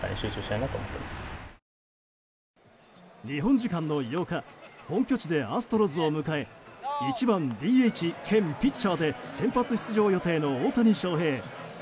日本時間の８日本拠地でアストロズを迎え１番ＤＨ兼ピッチャーで先発出場予定の大谷翔平。